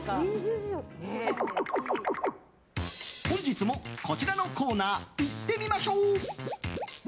本日も、こちらのコーナーいってみましょう。